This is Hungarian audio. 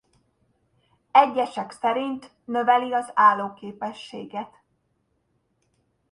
Egyesek szerint növeli az állóképességet.